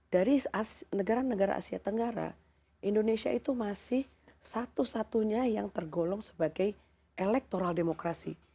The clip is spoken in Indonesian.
dari negara negara asia tenggara indonesia itu masih satu satunya yang tergolong sebagai elektoral demokrasi